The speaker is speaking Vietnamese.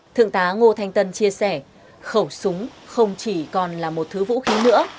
thượng tá ngô thanh tân chia sẻ khẩu súng không chỉ còn là một thứ vũ khí nữa